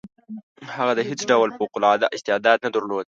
هغه د هیڅ ډول فوق العاده استعداد نه درلود.